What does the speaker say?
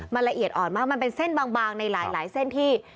มันละเอียดอ่อนมากมันเป็นเส้นบางในหลายเส้นที่